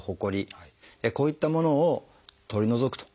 こういったものを取り除くと。